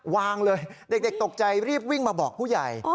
วางเลยเด็กตกใจรีบวิ่งมาบอกผู้ใหญ่